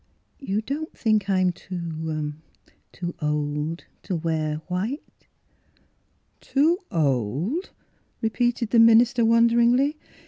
You don't think I'm too — too old to wear white? "" Too old? '^ repeated the minister won deringly.